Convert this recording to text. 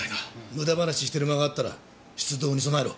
無駄話してる間があったら出動に備えろ。